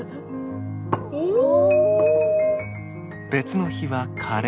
おお！